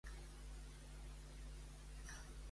Què va observar-hi Bel·lerofont?